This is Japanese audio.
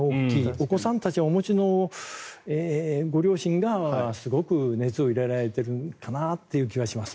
お子さんたちをお持ちのご両親がすごく熱を入れられてるかなという気はします。